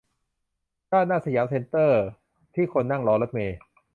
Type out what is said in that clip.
ด้านหน้าสยามเซ็นเตอร์ ที่คนนั่งรอรถเมล์